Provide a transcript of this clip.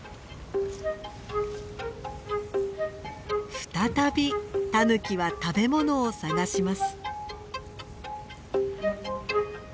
再びタヌキは食べ物を探します。